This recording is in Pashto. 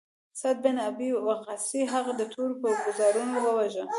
سعد بن ابی وقاص هغه د تورو په ګوزارونو وواژه.